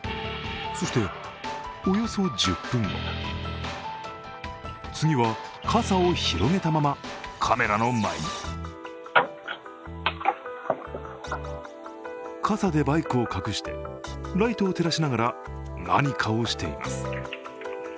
そしておよそ１０分後次は傘を広げたまま、カメラの前に傘でバイクを隠してライトを照らしながら何かをしています。